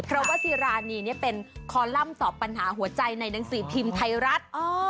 เพราะว่าซีรานีเป็นคอลัมป์สอบปัญหาหัวใจในหนังสือพิมพ์ไทยรัฐ